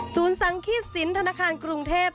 ศูนย์สังฆิตศิลป์ธนาคารกรุงเทพฯ